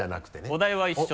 お題は一緒で？